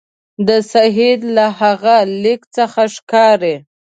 د سید له هغه لیک څخه ښکاري.